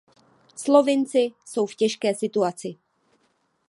Slovinci jsou v těžké situaci.